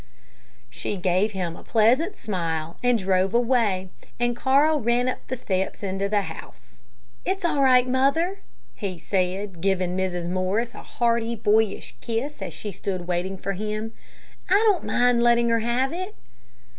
She gave him a pleasant smile, and drove away, and Carl ran up the steps into the house. "It's all right, mother," he said, giving Mrs. Morris a hearty, boyish kiss, as she stood waiting for him. "I don't mind letting her have it."